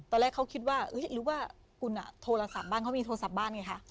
ตอนแรกเขาคิดว่าหรือว่าคุณโทรศัพท์บ้านเขามีโทรศัพท์บ้านไงคะ